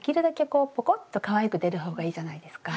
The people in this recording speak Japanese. こうポコッとかわいく出るほうがいいじゃないですか。